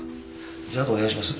じゃあ後お願いします。